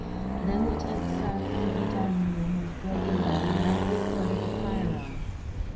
Then the tense silence of the dining room was broken by the loud report of a fire arm.